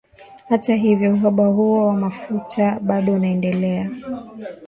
Hata hivyo, uhaba huo wa mafuta bado unaendelea.